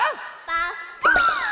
パッカーン！